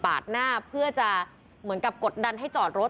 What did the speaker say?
หน้าเพื่อจะเหมือนกับกดดันให้จอดรถ